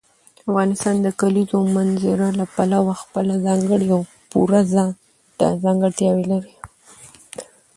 افغانستان د کلیزو منظره له پلوه خپله ځانګړې او پوره ځانته ځانګړتیاوې لري.